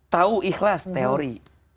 tahu ikhlas teori